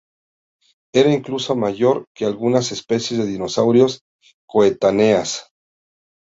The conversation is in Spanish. Era incluso mayor que algunas especies de dinosaurios coetáneas.